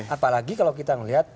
apalagi kalau kita melihat